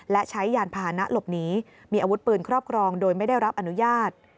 และใช้ยานพาหนะหลบหนีมีอาวุธปืนครอบครองโดยไม่ได้รับอนุญาต